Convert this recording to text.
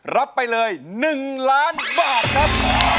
รับไปเลย๑ล้านบาทครับ